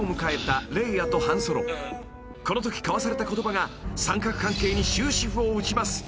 ［このとき交わされた言葉が三角関係に終止符を打ちます］